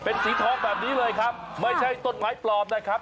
เป็นสีทองแบบนี้เลยครับไม่ใช่ต้นไม้ปลอมนะครับ